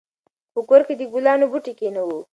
په کور کې د ګلانو بوټي کېنوو.